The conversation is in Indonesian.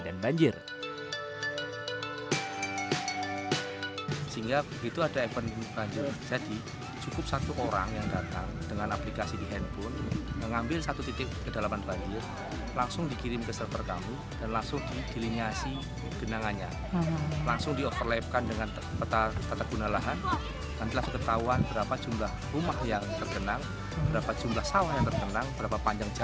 drone vtol mencapai kemampuan terbaik untuk memanfaatkan jangkauan jarak sejauh enam puluh km per jam